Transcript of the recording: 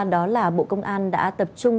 đó là bộ công an đã tập trung